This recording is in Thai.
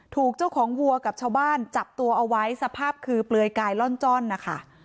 ถูกเจ้าของวัวกับชาวบ้านจับตัวเอาไว้สภาพคือเปลือยกายล่อนจ้อนนะคะ